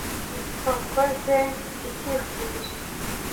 wakoze icyifuzo